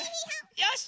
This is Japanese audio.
よし！